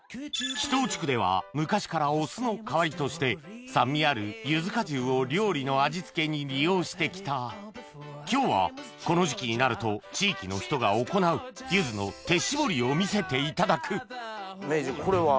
木頭地区では昔からお酢の代わりとして酸味あるゆず果汁を料理の味付けに利用して来た今日はこの時期になると地域の人が行うゆずの手しぼりを見せていただく名人これは？